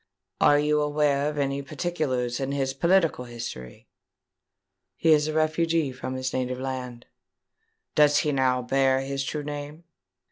"Are you aware of any particulars in his political history?" "He is a refugee from his native land." "Does he now bear his true name?"